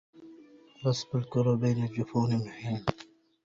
رسم الكرى بين الجفون محيل